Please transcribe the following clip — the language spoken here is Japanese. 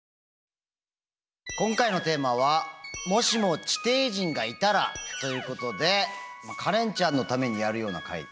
今回のテーマは「もしも地底人がいたら？」ということでカレンちゃんのためにやるような回。